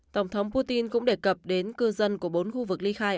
tổng thống putin cũng đề cập đến cư dân của bốn khu vực ly khai